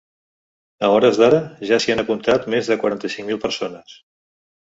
A hores d’ara ja s’hi han apuntat més de quaranta-cinc mil persones.